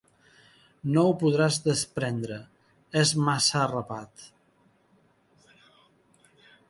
No ho podràs desprendre: és massa arrapat.